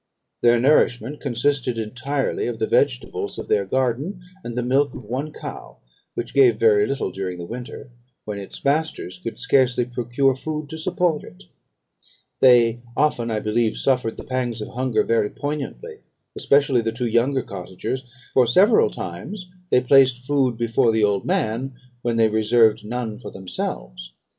Their nourishment consisted entirely of the vegetables of their garden, and the milk of one cow, which gave very little during the winter, when its masters could scarcely procure food to support it. They often, I believe, suffered the pangs of hunger very poignantly, especially the two younger cottagers; for several times they placed food before the old man, when they reserved none for themselves.